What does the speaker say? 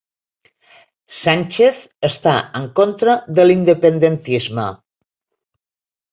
Sánchez està en contra de l'independentisme